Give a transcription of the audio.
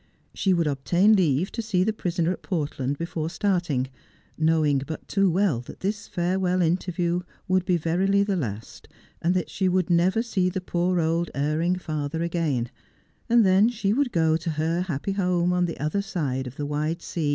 She would obtain leave to see the prisoner at Port land before starting, knowing but too well that this farewell interview would be verily the last, and that she would never see the poor old erring father again ; and then she would go to her happy home on the other side of the wide s^..